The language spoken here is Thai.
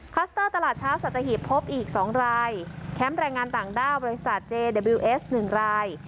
คลัสเตอร์ตลาดช้าวสัตว์ตะหีบพบอีกสองรายแคมป์แรงงานต่างด้าบริษัทเจเดบิวเอสหนึ่งราย